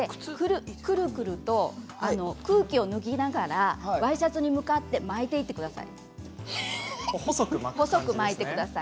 くるくると空気を抜きながらワイシャツに向かって巻いていってください。